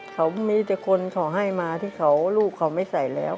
เขามีแต่คนเขาให้มาที่เขาลูกเขาไม่ใส่แล้ว